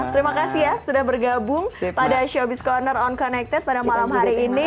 terima kasih ya sudah bergabung pada showbiz corner on connected pada malam hari ini